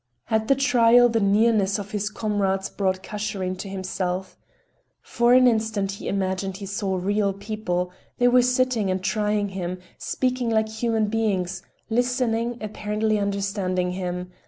At the trial the nearness of his comrades brought Kashirin to himself. For an instant he imagined he saw real people; they were sitting and trying him, speaking like human beings, listening, apparently understanding him.